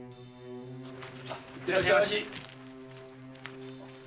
〔行ってらっしゃいまし！